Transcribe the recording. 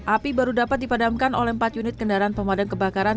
api baru dapat dipadamkan oleh empat unit kendaraan pemadam kebakaran